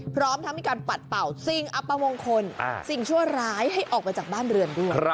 พร้อมทั้งมีการปัดเป่าสิ่งอัปมงคลสิ่งชั่วร้ายให้ออกมาจากบ้านเรือนด้วย